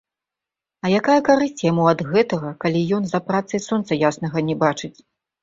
А якая карысць яму ад гэтага, калі ён за працай сонца яснага не бачыць?